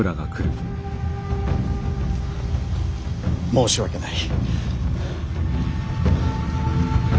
申し訳ない。